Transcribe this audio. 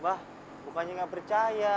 mbah bukannya nggak percaya